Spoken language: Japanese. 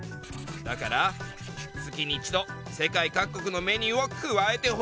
「だから月に一度世界各国のメニューを加えて欲しい」。